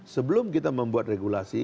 sebelum kita membuat regulasi